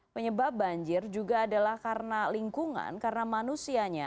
penyebab banjir juga adalah karena lingkungan karena manusianya